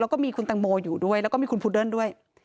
แล้วก็มีคุณตังโมอยู่ด้วยแล้วก็มีคุณพุดเดิ้ลด้วย